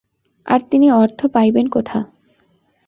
আর, তিনি অর্থ পাইবেন কোথা।